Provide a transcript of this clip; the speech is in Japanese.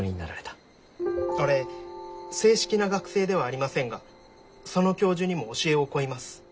俺正式な学生ではありませんがその教授にも教えを請います。